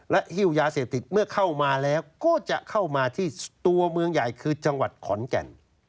หิ้วยาเสพติดเมื่อเข้ามาแล้วก็จะเข้ามาที่ตัวเมืองใหญ่คือจังหวัดขอนแก่น